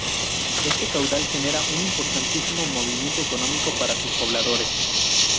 Este caudal genera un importantísimo movimiento económico para sus pobladores.